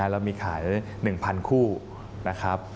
เรามีขาย๑๐๐คู่นะครับ